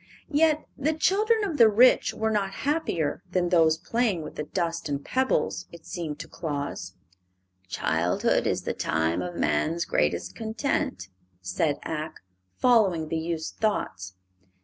Yet the children of the rich were not happier than those playing with the dust and pebbles, it seemed to Claus. "Childhood is the time of man's greatest content," said Ak, following the youth's thoughts.